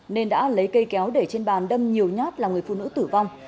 nên đã lấy cây kéo để trên bàn đâm nhiều nhát làm người phụ nữ tử vong